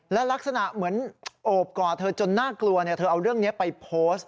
และลักษณะเหมือนโอบก่อเธอจนน่ากลัวเธอเอาเรื่องนี้ไปโพสต์